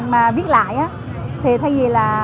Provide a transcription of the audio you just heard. mà viết lại thì thay vì là